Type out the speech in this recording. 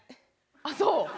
あっそう。